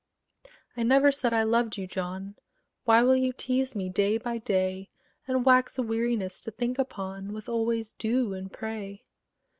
I never said I loved you, John: Why will you tease me, day by day, And wax a weariness to think upon With always "do" and "pray"?